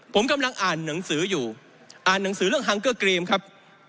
ผมกำลังอ่านหนังสืออยู่อ่านหนังสือเรื่องฮังเกอร์กรีมครับ